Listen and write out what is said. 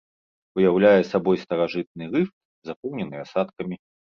Уяўляе сабой старажытны рыфт, запоўнены асадкамі.